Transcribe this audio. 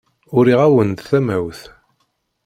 Uriɣ-awen-d tamawt.